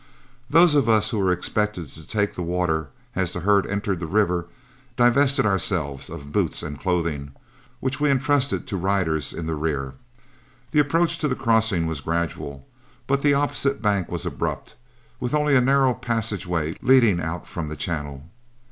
Those of us who were expected to take the water as the herd entered the river divested ourselves of boots and clothing, which we intrusted to riders in the rear. The approach to crossing was gradual, but the opposite bank was abrupt, with only a narrow passageway leading out from the channel.